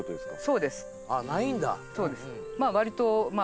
そうです。